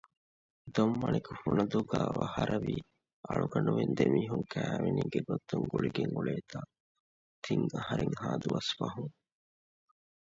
ދޮންމަނިކު ފުނަދޫގައި އަވަހާރަވީ އަޅުގަނޑުމެން ދެ މީހުން ކައިވެނީގެ ގޮތުން ގުޅިގެން އުޅޭތާ ތިން އަހަރެއްހާ ދުވަސް ފަހުން